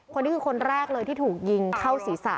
คนนี้คือคนแรกเลยที่ถูกยิงเข้าศีรษะ